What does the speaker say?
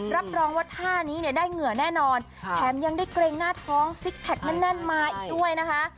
รับรองว่าท่านี้เนี่ยได้เหงื่อแน่นอนแถมยังได้เกรงหน้าท้องซิกแพคแน่นมาอีกด้วยนะคะ